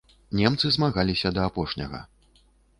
Немцы змагаліся да апошняга.